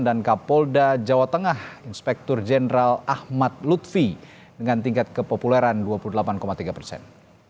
dan kapolda jawa tengah inspektur jeneral ahmad lutfi dengan tingkat kepopuleran dua puluh delapan tiga persen